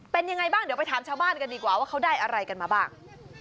เป็นยังไงบ้างเดี๋ยวไปถามชาวบ้านกันดีกว่าว่าเขาได้อะไรกันมาบ้าง